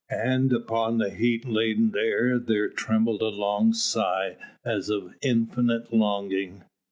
And upon the heat laden air there trembled a long sigh as of infinite longing.